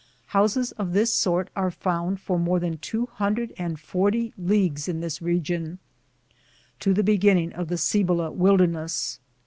1 Houses of this sort are found for more than 240 leagues in this region, to the beginning of the Cibola wilderness.